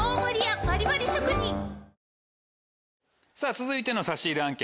続いての差し入れ案件